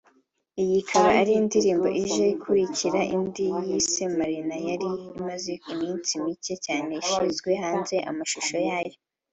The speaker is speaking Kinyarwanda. iyi ikaba ari indirimbo ije ikurikira indi yise ‘Marina’ yari imaze iminsi mike cyane ashyize hanze amashusho yayo